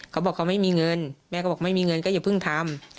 เขาบอกเขาไม่มีเงินแม่ก็บอกไม่มีเงินก็อย่าเพิ่งทำ